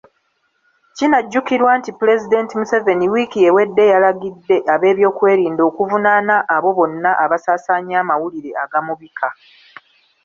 Kinajjukirwa nti Pulezidenti Museveni wiiki ewedde yalagidde ab'ebyokwerinda okuvunaana abo bonna abaasaasaanya amawulire agamubika.